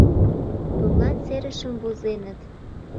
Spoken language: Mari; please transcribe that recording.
Тудлан серышым возеныт.